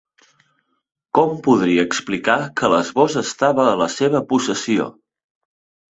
Com podria explicar que l'esbós estava a la seva possessió.